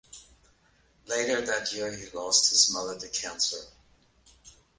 Later that year he lost his mother to cancer.